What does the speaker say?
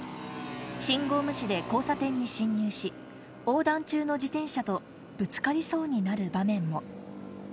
信号無視で交差点に進入し、横断中の自転車とぶつかりそうになる場面も。